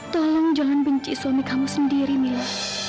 tolong jangan benci suami kamu sendiri mila